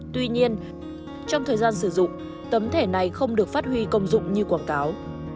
tuy nhiên trong thời gian sử dụng tấm thẻ này không được phát huy công dụng như quảng cáo